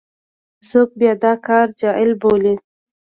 څوک بیا دا کار جعل بولي.